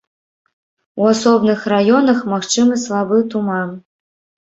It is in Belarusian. У асобных раёнах магчымы слабы туман.